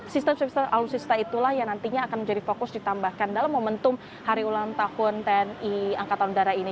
sistem sistem alutsista itulah yang nantinya akan menjadi fokus ditambahkan dalam momentum hari ulang tahun tni angkatan udara ini